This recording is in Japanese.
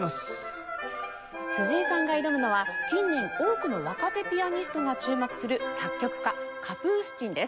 辻井さんが挑むのは近年多くの若手ピアニストが注目する作曲家カプースチンです。